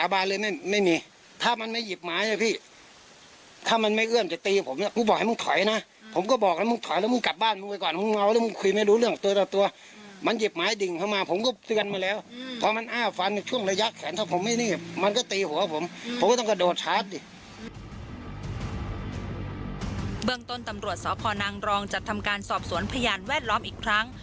เบื้องต้นตำรวจสพนางรองจะทำการสอบสวนพยานแวดล้อมอีกครั้ง